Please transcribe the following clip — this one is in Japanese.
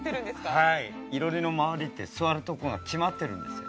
はいいろりの周りって座るとこが決まってるんですよ